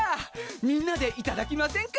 みんなでいただきませんか？